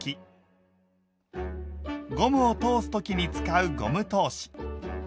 ゴムを通す時に使うゴム通し。